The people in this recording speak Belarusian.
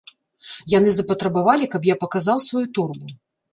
Яны запатрабавалі, каб я паказаў сваю торбу.